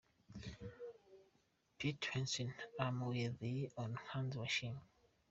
PeteHegseth I'm with you on hand washing.